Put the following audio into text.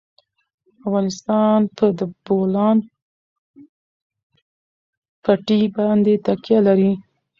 افغانستان په د بولان پټي باندې تکیه لري.